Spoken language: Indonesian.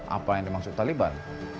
apa yang dimaksud taliban